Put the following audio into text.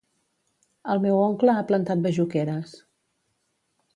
El meu oncle ha plantat bajoqueres.